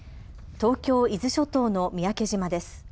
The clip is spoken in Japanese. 東京伊豆諸島の三宅島です。